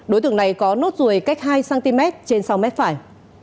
đối tượng này có nốt ruồi cách hai cm trên sau mép phải